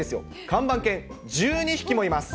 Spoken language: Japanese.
看板犬１２匹もいます。